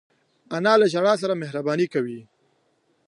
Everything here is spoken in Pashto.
انا له ژړا سره مهربانې کوي